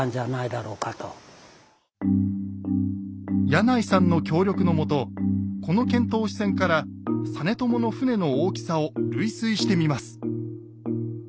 柳井さんの協力のもとこの遣唐使船から実朝の船の大きさを類推してみます。